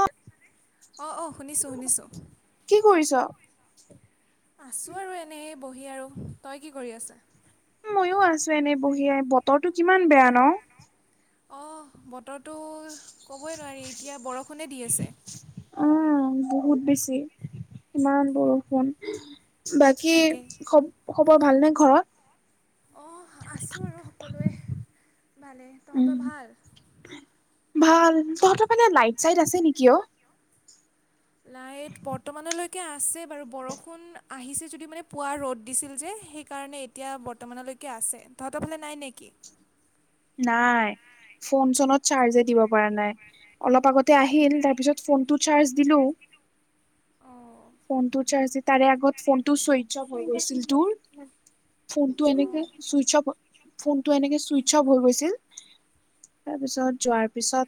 অ'। অ', অ', শুনিছোঁ শুনিছোঁ। কি কৰিছ আছোঁ আৰু এনে বহি আৰু, তই কি কৰি আছা। মইও আছোঁ এনে বহি বতৰতো কিমান বেয়া ন। অ', বতৰটো ক'বই নোৱাৰি এতিয়া বৰষুণে দি আছে। অ', বহুত বেছি, ইমান বৰষুণ। বাকী তাকে খব খবৰ ভালনে ঘৰত। অ', আছোঁ আৰু সকলোৱে ভালে, উম তহঁতৰ ভাল। ভাল তহঁতৰ পানে লাইট চাইট আছে নেকি অ'। লাইট বৰ্তমানলৈকে আছে বাৰু বৰষুণ আহিছে যদি মানে পুৱা ৰ'দ দিছিল যে সেই সেই কাৰণে এতিয়া বৰ্তমানলৈকে আছে, তহঁতৰ ফালে নাই নেকি? নাই, ফোন চোনত চাৰ্জে দিব পৰা নাই। অলপ আগতে আহিল তাৰপিছত ফোনটো চাৰ্জ দিলোঁ। অঁ ফোনটো চাৰ্জি তাৰে আগত ফোনটো চুই [unintelligible] অ'ফ হৈ গৈছিল তোৰ, ফোনটো অঁ এনেকে চুইঅ'ফ, ফোনটো এনেকে চুই [unintelligible] হৈ গৈছিল তাৰপিছত যোৱাৰ পিছত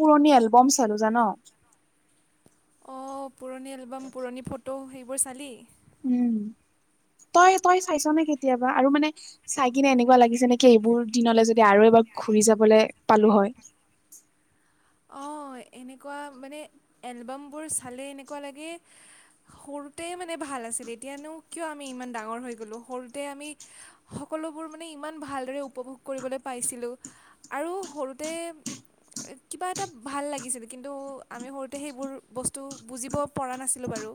পুৰণি এলবাম চালোঁ জান। অ', পুৰণি এলবাম পুৰণি ফটো সেইবোৰ চালি। উম, তই তই চাইছো নে কেতিয়াবা আৰু মানে চাই কিনে এনেকুৱা লাগিছে নেকি এইবোৰ দিনলৈ যদি আৰু এবাৰ ঘুৰি যাবলৈ পালোঁ হয়। হয় এনেকুৱা মানে এলবামবোৰ চালে এনেকুৱা লাগে সৰুতে মানে ভাল আছিল এতিয়ানো কিয় আমি ইমান ডাঙৰ হৈ গ'লো সৰুতে আমি সকলোবোৰ মানে ইমান ভালদৰে উপভোগ কৰিবলৈ পাইছিলোঁ আৰু সৰুতে কিবা এটা ভাল লাগিছিল কিন্তু আমি সৰুতে সেইবোৰ বস্তু বুজিব পৰা নাছিলোঁ বাৰু।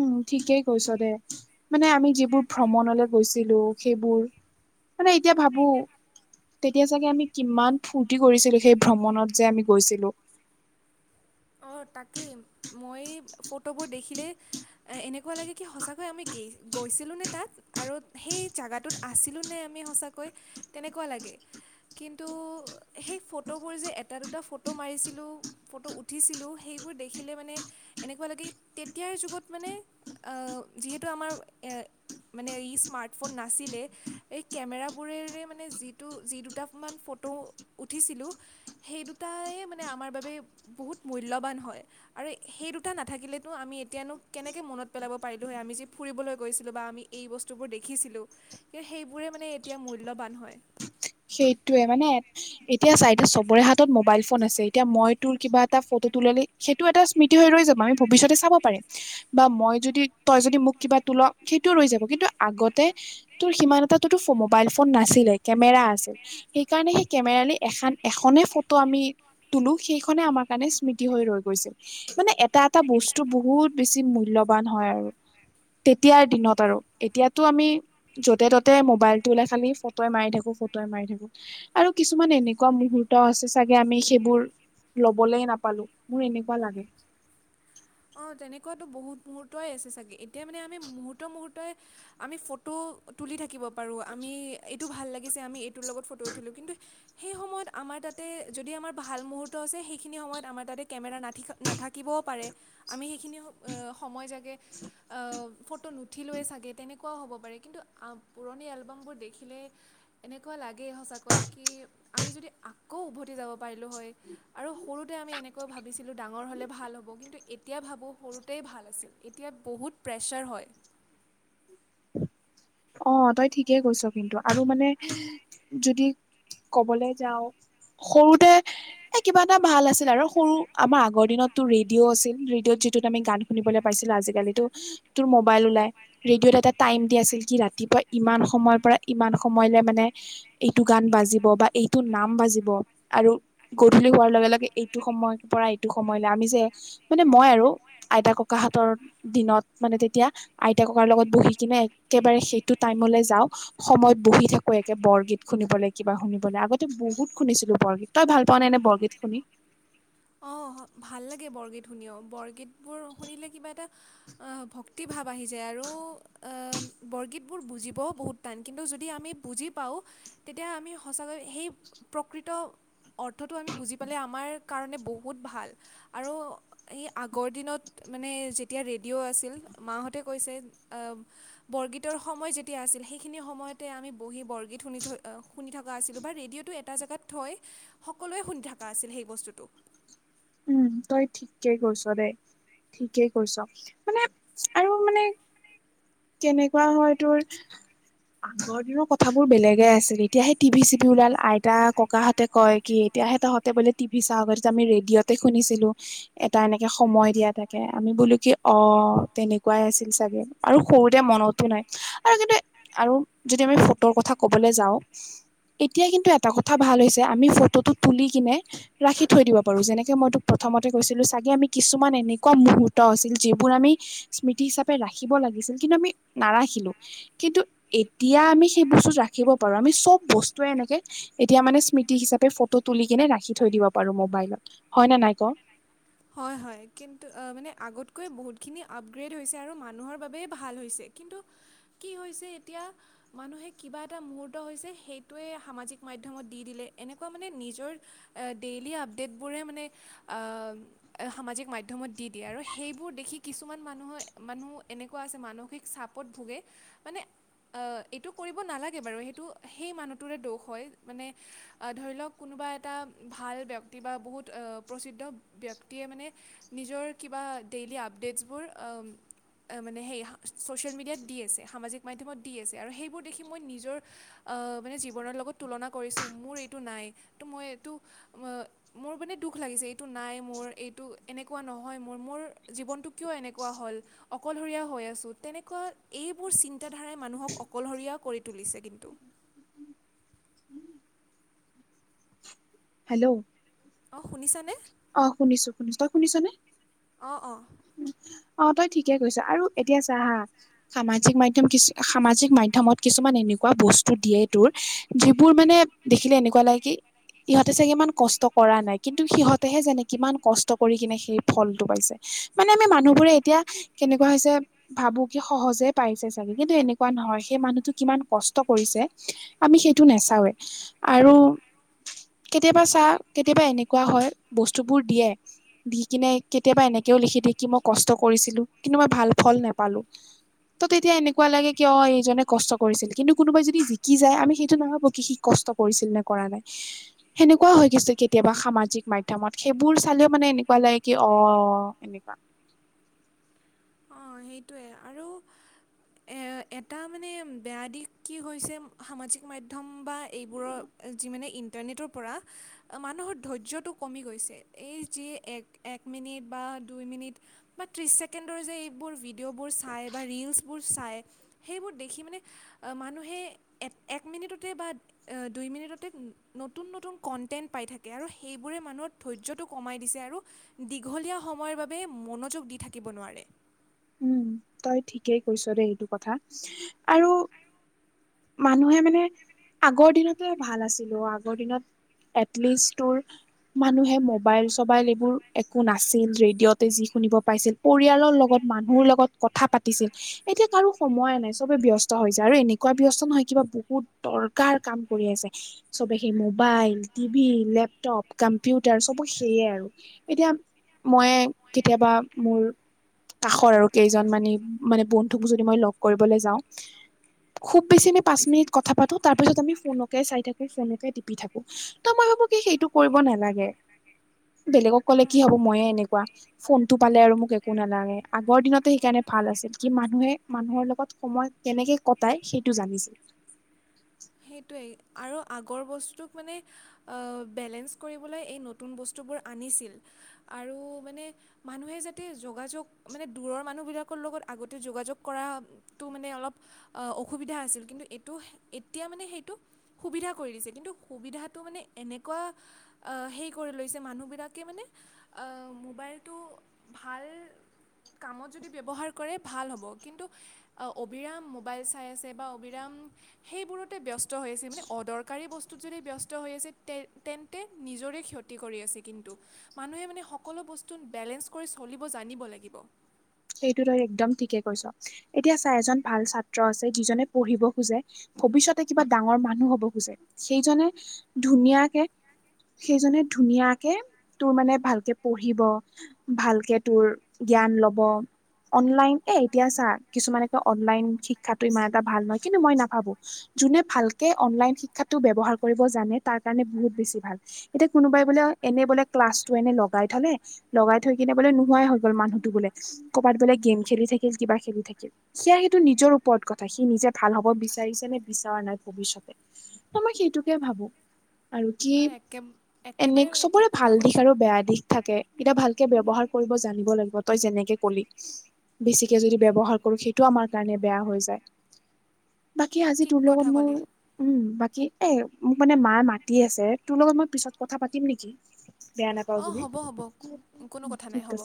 উম, ঠিকেই কৈছ দে, মানে আমি যিবোৰ ভ্ৰমণলৈ গৈছিলোঁ- সেইবোৰ, মানে এতিয়া ভাবো- তেতিয়া চাগে আমি কিমান ফূৰ্তি কৰিছিলো, সেই ভ্ৰমণত যে আমি গৈছিলোঁ। অঁ' তাকেই মই ফটোবোৰ দেখিলে- এ এনেকুৱা লাগে কি সঁচাকৈ আমি গে গৈছিলোঁ নে তাত? আৰু সেই জেগাটোত আছিলোঁ নে আমি সঁচাকৈ তেনেকুৱা লাগে। কিন্তু, সেই ফটোবোৰ যে এটা দুটা ফটো মাৰিছিলোঁ ফটো উঠ- উঠিছিলোঁ সেইবোৰ দেখিলে মানে- এনেকুৱা লাগে তেতিয়াৰ যুগত মানে অ যিহেতু আমাৰ এ- মানে ই স্মাৰ্টফোন নাছিলে এই কেমেৰাবোৰেৰে মানে যিটো যিটো- দুটামান ফটো উঠিছিলোঁ সেই দুটাই মানে আমাৰ বাবে- বহুত মূল্যৱান হয়। আৰু সেই দুটা নাথাকিলেতো আমি এতিয়ানো কেনেকে মনত পেলাব পাৰিলোঁ হয় আমি যে ফুৰিবলে গৈছিলোঁ বা আমি- এই বস্তুবোৰ দেখিছিলোঁ, কিন্তু সেইবোৰে মানে এতিয়া মূল্যবান হয়। সেইটোৱে মানে- এতিয়া চা এতিয়া চবৰে হাতত মোবাইল ফোন আছে এতিয়া মই তোৰ কিবা এটা ফটো তোলালে- সেইটো এটা স্মৃতি হৈ ৰৈ যাব আমি ভৱিষ্যতে চাব পাৰিম, বা মই যদি- তই যদি মোক কিবা তোল সেইটোও ৰৈ যাব কিন্তু, আগতে তোৰ সিমান এটা মবাইল ফ- ফন নাছিলে কেমেৰা আছিল, সেইকাৰণে সেই কেমেৰালে এখান এখনে ফটো আমি- তুলো সেইখনে আমাৰ কাৰণে স্মৃতি হৈ ৰৈ গৈছে। মানে এট- এটা এটা বস্তু বহুত বেছি মূল্যৱান হয় আৰু। তেতিয়াৰ দিনত আৰু এতিয়াতো আমি- য'তে ত'তে মোবাইলটো ওলাই খালি ফটো মাৰি থাকো, ফ- তাই মাৰি থাকো আৰু কিছুমান এনেকুৱা মূহুৰ্ত আছে চাগে আমি সেইবোৰ ল- বলে নাপালো, মোৰ এনেকুৱা লাগে। অঁ তেনেকুৱাতো বহুত মুহুৰ্তই আছে চাগে এতিয়া মানে আমি মুহূৰ্ত মুহূৰ্তই- আমি ফটো তুলি থাকিব পাৰোঁ, আমি এইটো ভাল লাগিছে আমি এইটোৰ লগত ফটো তুলো কিন্তু, - সেই সময়ত আমাৰ তাতে যদি আমাৰ ভাল মুহূৰ্ত আছে সেইখিনি সময়ত আমাৰ তাতে কেমেৰা নাথিকা- নাথাকিবও পাৰে আমি সেইখিনি সময় জাগে- ফটো নুঠিলোৱে চাগে তেনেকুৱাও হ'ব পাৰে, কিন্তু পুৰণি এলবামবোৰ দেখিলে- এনেকুৱা লাগেই সঁচাকৈ কি আমি যদি আকৌ উভতি যাব পাৰিলোঁ হয়। আৰু সৰুতে আমি এনেকৈ ভাবিছিলোঁ ডাঙৰ হ'লে ভাল হ'ব, কিন্তু- এতিয়া ভাবোঁ সৰুতেই ভাল আছিল, এতিয়া বহুত প্ৰেছাৰ হয়। অঁ তই ঠিকেই কৈছ কিন্তু আৰু মানে যদি কবলৈ যাওঁ, - সৰুতে এ কিবা এটা ভাল আছিল আৰু সৰু আমাৰ আগৰ দিনতটো ৰেডিঅ' আছিল ৰেডিঅ'ত য- তত আমি গান শুনিবলৈ পাইছিলো আজিকালিতো তোৰ মোবাইল ওলাই ৰেডিঅ'ত এটা টাইম দি আছিল কি ৰাত- ইমান সময়ৰ পৰা ইমান সময়লে মানে- এইটো গান বাজিব বা এইটো নাম বাজিব। আৰু- গধূলি হোৱাৰ লগে লগে এইটো সময়ৰ পৰা এইটো সময়লে আমি যে- মানে মই আৰু আইতা ককাহঁতৰ- দিনত মানে তেতিয়া আইতা ককাৰ লগত বহি কিনে একেবাৰে সেইটো টাইমলে যাওঁ। সময়ত বহি থাকো একে বৰগীত শুনিবলে কিবা শুনিবলে আগতে বহুত শুনিছিলোঁ বৰগীত। তই ভাল পাৱ নে এনেই বৰগীত শুনি? অঁ ভাল লাগে বৰগীত শুনিও, বৰগীতবোৰ শুনিলে কিবা এটা- অঁ' ভক্তি ভাৱ আহি যায় আৰু বৰগীতবোৰ বুজিবও বহুত- টান কিন্তু যদি আমি বুজি পাওঁ তেতিয়া আমি সঁচাকৈ সেই প্ৰকৃত অৰ্থটো আমি বুজি পালে আমাৰ কাৰণে বহুত ভাল আৰু এই আগৰ দিনত মানে যেতিয়া ৰেডিঅ' আছিল মাহঁতে কৈছে আ বৰগীতৰ সময় যেতিয়া আছিল সেইখিনি সময়তে আমি বহি বৰগীত শুনি থৈ শুনি থকা আছিলোঁ বা ৰেডিঅ'টো এটা জাগাত থৈ সকলোৱে শুনি থকা আছিল সেই বস্তুটো উম তই ঠিকে কৈছ দে ঠিকেই কৈছ মানে আৰু মানে কেনেকুৱা হয় তোৰ আগৰ দিনৰ কথাবোৰ বেলেগে আছিল এতিয়া সেই টিভি চিভি ওলাল আইতা ককা এতে কয় কি এতিয়া হে তহঁতে বোলে টিভি চাৱ আগত যে আমি ৰেডিঅতে শুনিছিলোঁ এটা এনেকে সময় দিয়া থাকে আমি বোলো কি অ তেনেকুৱাই আছিল চাগে আৰু সৰুতে মনতো নাই আৰু কিন্তু আৰু যদি আমি ফ'ট কথা কবলৈ যাওঁ এতিয়া কিন্তু এটা কথা ভাল হৈছে আমি ফটোটো তুলি কিনে ৰাখি থৈ দিব পাৰো যেনেকে মই তোক প্ৰথমতে কৈছিলো চাগে আমি কিছুমান এনেকুৱা মুহুৰ্ত আছিল যিবোৰ আমি স্মৃতি হিচাপে ৰাখিব লাগিছিল কিন্তু আমি নাৰাখিলোঁ কিন্তু এতিয়া আমি সেই বস্তুতো ৰাখিব পাৰো আমি চব বস্তুৱে এনেকে এতিয়া মানে স্মৃতি হিচাপে ফটো তুলি কেনে ৰাখি থৈ দিব পাৰো মোবাইলত হয় নে নাই ক হয় হয় কিন্তু মানে আগতকৈ বহুতখিনি আপগ্ৰেড হৈছে আৰু মানুহৰ বাবেই ভাল হৈছে কিন্তু কি হৈছে এতিয়া মানুহে কিবা এটা মুৰ্ত হৈছে সেইটোৱে সামাজিক মাধ্যমত দি দিলে এনেকুৱা মানে নিজৰ আ ডেইলী আপডেটবোৰে মানে আ-ম সামাজিক মাধ্যমত দি দিয়ে আৰু সেইবোৰ দেখি কিছুমান মানুহে মানুহ এনেকুৱা আছে মানসিক চাপ পদ ভোগে মানে এইটো কৰিব নালাগে বাৰু সেইটো সেই মানুহটোৰে দোষ হয় মানে ধৰি লওক কোনোবা এটা ভাল ব্যক্তি বা বহুত প্ৰসিদ্ধ ব্যক্তিয়ে মানে নিজৰ কিবা ডেইলী আপডেটছবোৰ আ-ম মানে সেই ছ'চিয়েল মিডিয়াত দি আছে সামাজিক মাধ্যমত দি আছে আৰু সেইবোৰ দেখি মই নিজৰ অ মানে জীৱনৰ লগত তুলনা কৰিছোঁ মোৰ এইটো নাই তো মই এইটো ম মোৰ মানে দুখ লাগিছে এইটো নাই মোৰ এইটো এনেকুৱা নহয় মোৰ মোৰ জীৱনটো কিয় এনেকুৱা হ'ল অকলশৰীয়া হৈ আছোঁ তেনেকুৱা এইবোৰ চিন্তাধাৰাই মানুহক অকলশৰীয়া কৰি তুলিছে কিন্তু হেল্ল' অ শুনিছানে অ শুনিছো শুনিছো তই শুনিছ নে অঁ অঁ অ তই ঠিকে কৈছ আৰু এতিয়া চা হা সামাজিক মাধ্যম কিছু সামাজিক মাধ্যমত কিছুমান এনেকুৱা বস্তু দিয়ে তোৰ যিবোৰ মানে দেখিলে এনেকুৱা লাগে কি ইহঁত চাগে ইমান কষ্ট কৰা নাই কিন্তু সিহঁতেহে জানে কিমান কষ্ট কৰি কিনে সেই ফলটো পাইছে মানে আমি মানুহবোৰে এতিয়া কেনেকুৱা হৈছে ভাবো কি সহজে পাইছে চাগে কিন্তু এনেকুৱা নহয় সেই মানুহতো কিমান কষ্ট কৰিছে আমি সেইটো নেচাওঁৱে আৰু কেতিয়াবা চা কেতিয়াবা এনেকুৱা হয় বস্তুবোৰ দিয়ে দি কিনে কেতিয়াবা এনেকেও লিখি দিয়ে কি মই কষ্ট কৰিছিলো কিন্তু মই ভাল ফল নেপালো ত'তেতিয়া এনেকুৱা লাগে কিয় এইজনে কষ্ট কৰিছিল! কিন্তু কোনোবাই যদি জিকি যায় আমি সেইটো নাভাবো কি সি কষ্ট কৰিছিল নে কৰা নাই সেনেকুৱা হৈ কিছু কেতিয়াবা সামাজিক মাধ্যমত সেইবোৰ চালেও মানে এনেকুৱা লাগে কি অ- এনেকুৱা। অ সেইটোৱে আৰু- এটা মানে বেয়া দিশ কি হৈছে সামাজিক মাধ্যম বা এইবোৰৰ- যি মানে ইণ্টাৰনেটৰ পৰা মানুহৰ ধৈৰ্য্যটো কমি গৈছে এই যি এক- এক মিনিট বা দুই মিনিট, বা ত্ৰিছ ছেকেণ্ডৰ যে এইবোৰ ভিডিঅ'বোৰ চাই বা ৰিলচ- চাই, সেইবোৰ দেখি মানে মানুে এক মিনিটতে বা- দুই মিনিটতে নতুন নতুন কণ্টেণ্ট পাই থাকে আৰু সেইবোৰে মানুহৰ ধৈৰ্যটো কমাই দিছে আৰু- দীঘলীয়া সময়ৰ বাবে মনোযোগ দি থাকিব নোৱাৰে। উম তই ঠিকেই কৈছ দেই এইটো কথা আৰু- মানুহে মানে, আগৰ দিনতে ভাল আছিলে আগৰ দিনত। এটলিষ্ট তোৰ মানুহে মবাইল চবাইল এইবোৰ একো না ছিল ৰেডিঅ'তে যি শুনিব পাইছিল পৰিয়ালৰ লগত- মানুহৰ লগত কথা পাতিছিল এতিয়া কাৰো সময় নাই চবে ব্যস্ত হৈ যায় আৰু এনেকুৱা ব্যস্ত নহয় কিবা বহুত- তৰ্কাৰ কাম কৰি আছে। চবে সেই মোবাইল টিভি লেপটপ কম্পিউটাৰ চব সেইয়ে আৰু। এতিয়া মই কেতিয়াবা মোৰ- কাষৰ আৰু কেইজন মানি মানে বন্ধুক যদি মই লগ কৰিবলৈ যাওঁ। খুব বেছি আমি পাঁচ মিনিট কথা পাতো তাৰ পিছত আমি ফোনকে চাই থাকো ফোনকে টিপি থাকোঁ। ত মই ভাবো কি সেইটো কৰিব নালাগে। বেলেগক ক'লে কি হ'ব ময়ে এনেকুৱা, ফোনটো পালে আৰু মোক একো নালাগে। আগৰ দিনতো সেইকাৰণে ভাল আছিল কি মানুহে মানুহৰ লগত সময় কেনেকে কটাই সেইটো জানিছিল। সেইটোৱেই আৰু আগৰ বস্তুটোক মানে- বেলেঞ্চ কৰিবলৈ এই নতুন বস্তুবোৰ আনিছিল আৰু মানে- মানুহে যাতে যোগাযোগ মানে দূৰৰ মানুহবিলাকৰ লগত আগতে যোগাযোগ কৰা- টো মানে অলপ অসুবিধা আছিল কিন্তু এইটো- তেতিয়া মানে সেইটো, সুবিধা কৰি দিছে কিন্তু সুবিধাটো মানে এনেকুৱা- আহ হেৰি কৰি লৈছে মানুহবিলাকে মানে- আহ মোবাইলটো ভাল- কামত যদি ব্যৱহাৰ কৰে ভাল হ'ব কিন্তু- অবিৰাম মোবাইল চাই আছে বা অবিৰাম- সেইবোৰতে ব্যস্ত হৈ আছে মানে অদৰকাৰী বস্তুত যদি ব্যস্ত হৈ আছে তে তেন তে নিজৰে ক্ষতি কৰি আছে কিন্তু। মানুহে মানে সকলো বস্তু বেলেঞ্চ কৰি চলিব জানিব লাগিব। সেইটো তই একদম ঠিকে কৈছ এতিয়া চা এজন ভাল ছাত্ৰ আছে যিজনে পঢ়িব খোজে। ভৱিষ্যতে কিবা ডাঙৰ মানুহ হব খোজে সেইজনে ধুনীয়াকে- সেইজনে ধুনীয়াকে তোৰ মানে ভালকে পঢ়িব। ভালকে তোৰ জ্ঞান লব। অনলাইন এ এতিয়া চা কিছুমানে কয় অনলাইন শিক্ষাটো ইমান এটা ভাল নহয় কিন্তু মই নাভাবো। যোনে ভালকে অনলাইন শিক্ষাটো ব্যৱহাৰ কৰিব জানে তাৰ কাৰণে বহুত বেছি ভাল। এতিয়া কোনোবাই বোলে এনেই বোলে ক্লাছটো এনে লগাই থলে- লগাই থৈ কিনে বোলে নোহোৱাই হৈ গ'ল মানুহতো বোলে ক'ৰবাত বোলে গেম খেলি থাকিল কিবা খেলি থাকিল। সেয়া সেইটো নিজৰ ওপৰত কথা সি নিজে ভাল হব বিচাৰিছে নে বিচৰা নাই ভৱিষ্যতে। অ মই সেইটোকে ভাবো। আৰু কি, তই একে এনে একেবাৰে মানে ঠিক চবৰে কথা ভাল কৈছ দিশ আৰু বেয়া দিশ থাকে। এতিয়া ভালকে ব্যৱহাৰ কৰিব জানিব লাগিব, তই যেনেকে কলি বেছিকে যদি ব্যৱহাৰ কৰো সেইটো আমাৰ কাৰণে বেয়া হৈ যায়। বাকী আজি ঠিক তোৰ কথা লগত মোৰ ক'লি উম বাকী এ মোক মানে মা মাতি আছে তোৰ লগত মই পিছত কথা পাতিম নেকি? বেয়া নাপাও অ যদি হ'ব হ'ব কোনো কথা নাই ঠিক হ'ব। আছে